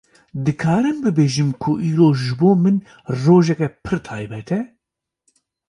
Dikarim bibêjim ku îro ji bo min rojeke pir taybet e